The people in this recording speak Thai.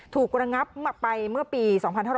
กระงับไปเมื่อปี๒๕๕๙